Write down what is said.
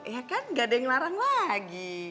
ya kan gak ada yang larang lagi